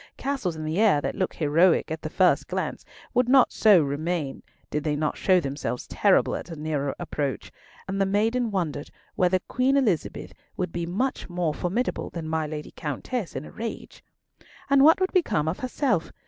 Castles in the air that look heroic at the first glance would not so remain did not they show themselves terrible at a nearer approach, and the maiden wondered, whether Queen Elizabeth would be much more formidable than my Lady Countess in a rage! And what would become of herself?